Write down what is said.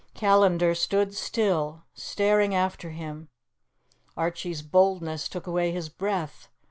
Callandar stood still, staring after him. Archie's boldness took away his breath.